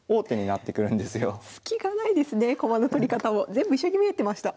全部一緒に見えてました。